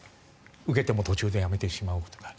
受けても途中でやめてしまうとか。